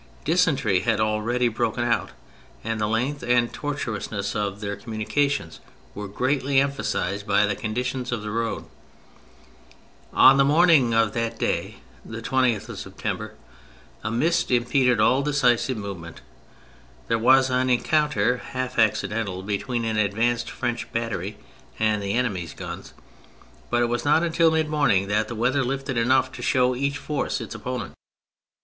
Dysentery had already broken out, and the length and tortuousness of their communications were greatly empha sised by the condition of the roads. On the morning of that day, the 20th of September, a mist impeded all decisive move ments. There was an encounter, half acci dental, between an advanced French battery and the enemy's guns, but it was not until mid morning that the weather lifted enough to show each force its opponent.